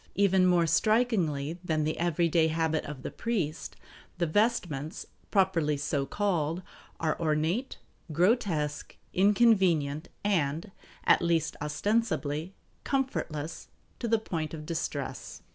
Even more strikingly than the everyday habit of the priest, the vestments, properly so called, are ornate, grotesque, inconvenient, and, at least ostensibly, comfortless to the point of distress.